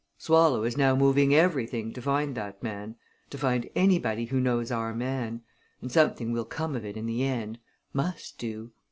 Swallow is now moving everything to find that man to find anybody who knows our man and something will come of it, in the end must do.